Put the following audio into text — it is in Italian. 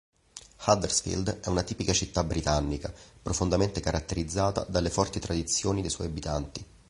Huddersfield è una tipica città britannica, profondamente caratterizzata dalle forti tradizioni dei suoi abitanti.